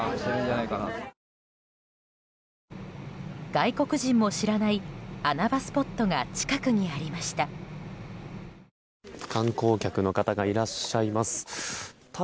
外国人も知らない穴場スポットが近くにありました。